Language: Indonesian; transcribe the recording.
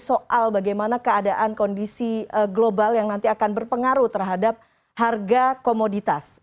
soal bagaimana keadaan kondisi global yang nanti akan berpengaruh terhadap harga komoditas